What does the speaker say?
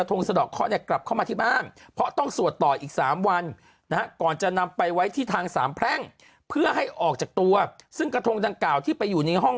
ที่ทางสามแพร่งเพื่อให้ออกจากตัวซึ่งกระทงหนังเก่าที่ไปอยู่ในห้อง